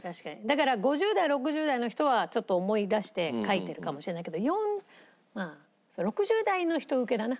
だから５０代６０代の人はちょっと思い出して書いてるかもしれないけどまあ６０代の人うけだな。